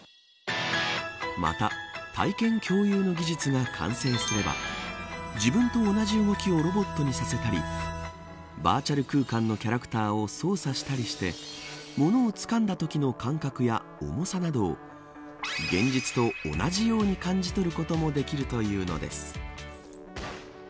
また体験共有の技術が完成すれば自分と同じ動きをロボットにさせたりバーチャル空間のキャラクターを操作したりして物をつかんだときの感覚や重さなどを現実と同じように感じ取ることもできるというのです。